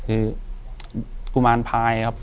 คือกุมารพายครับ